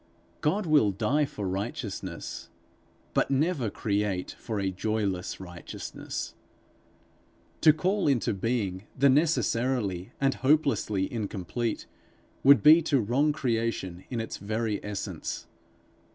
God will die for righteousness, but never create for a joyless righteousness. To call into being the necessarily and hopelessly incomplete, would be to wrong creation in its very essence.